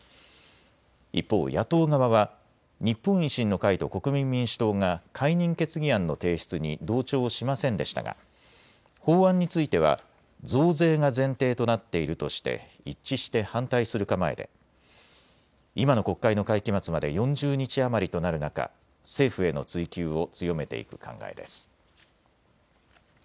一方、野党側は日本維新の会と国民民主党が解任決議案の提出に同調しませんでしたが法案については増税が前提となっているとして一致して反対する構えで今の国会の会期末まで４０日余りとなる中、政府への追及を強めていく考えです。